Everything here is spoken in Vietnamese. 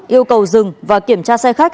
yêu cầu dừng và kiểm tra xe khách